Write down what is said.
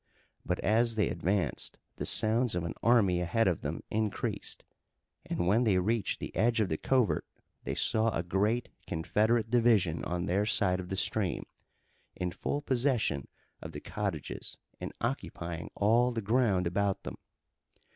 But as they advanced the sounds of an army ahead of them increased, and when they reached the edge of the covert they saw a great Confederate division on their side of the stream, in full possession of the cottages and occupying all the ground about them.